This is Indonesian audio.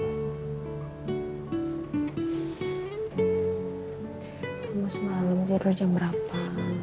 kamu semalam tidur jam berapa